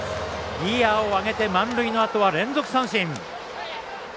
ギヤを上げて満塁のあとは連続三振！